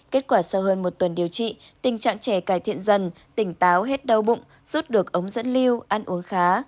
kết quả sau hơn một tuần điều trị tình trạng trẻ cải thiện dần tỉnh táo hết đau bụng rút được ống dẫn lưu ăn uống khá